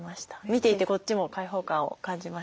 見ていてこっちも開放感を感じましたね。